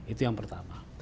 itu yang pertama